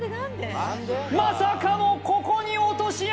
まさかのここに落とし穴！